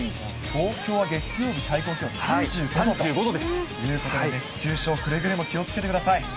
東京は月曜日、最高気温３５度ということで、熱中症、くれぐれも気をつけてください。